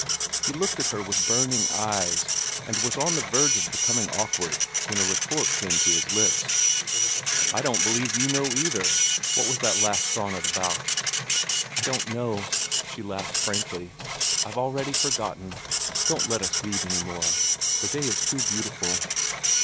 He looked at her with burning eyes, and was on the verge of becoming awkward, when a retort came to his lips. "I don't believe you know either. What was the last sonnet about?" "I don't know," she laughed frankly. "I've already forgotten. Don't let us read any more. The day is too beautiful."